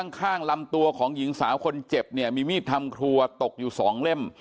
ข้างลำตัวของหญิงสาวคนเจ็บมีมีดทำกลัวตกอยู่๒เล่ม